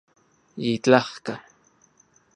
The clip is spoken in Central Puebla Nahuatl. Yitlajka